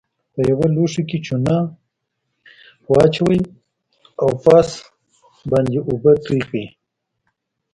په یوه لوښي کې چونه واچوئ او پاسه پرې اوبه توی کړئ.